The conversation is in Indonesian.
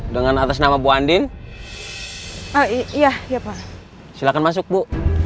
dengan atas nama bu andin iya silahkan masuk bu